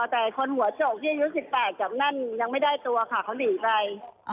แต่คนหัวโจกที่อายุ๑๘จากนั่นยังไม่ได้ตัวค่ะเขาหนีไป